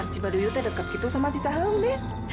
di cibaduyut deket gitu sama cicahem des